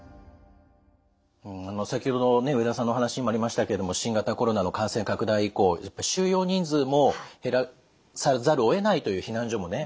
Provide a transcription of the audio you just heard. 先ほどの植田さんのお話にもありましたけれども新型コロナの感染拡大以降収容人数も減らさざるをえないという避難所もね